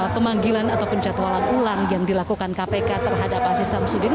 pemanggilan atau penjatualan ulang yang dilakukan kpk terhadap aziz samsudin